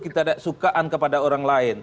kita suka kepada orang lain